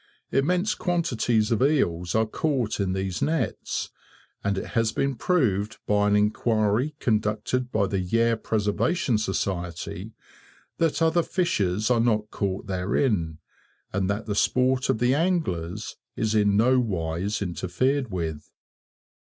Immense quantities of eels are caught in these nets, and it has been proved by an inquiry conducted by the Yare Preservation Society, that other fishes are not caught therein, and that the sport of the anglers is in no wise interfered with.